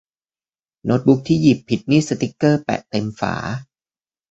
โน๊ตบุ๊กที่หยิบผิดนี่สติ๊กเกอร์แปะเต็มฝา